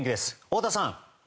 太田さん。